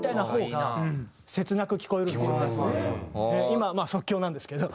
今はまあ即興なんですけど！